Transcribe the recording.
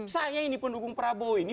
saya ini pendukung prabowo ini